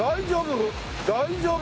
大丈夫？